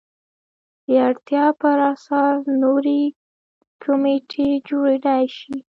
د اړتیا پر اساس نورې کمیټې جوړېدای شي.